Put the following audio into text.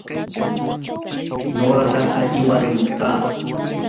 nuqaqa alli warmim kaa.